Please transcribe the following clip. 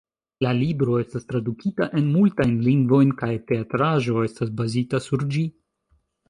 La libro estas tradukita en multajn lingvojn kaj teatraĵo estas bazita sur ĝi.